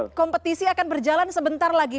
apakah kompetisi akan berjalan sebentar lagi